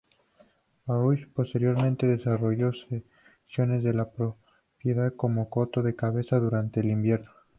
Baruch posteriormente desarrolló secciones de la propiedad como coto de caza durante el invierno.